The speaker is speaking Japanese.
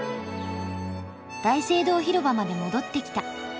大聖堂広場まで戻ってきた。